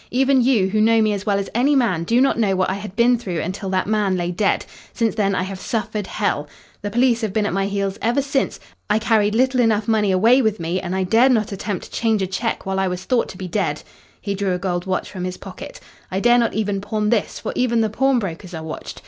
Even you, who know me as well as any man, do not know what I had been through until that man lay dead. Since then I have suffered hell. The police have been at my heels ever since. I carried little enough money away with me, and I dared not attempt to change a cheque while I was thought to be dead." He drew a gold watch from his pocket. "I dare not even pawn this, for even the pawnbrokers are watched.